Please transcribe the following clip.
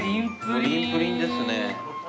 プリンプリンですね。